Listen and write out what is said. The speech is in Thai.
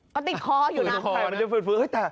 ก็ติดคออยู่นะ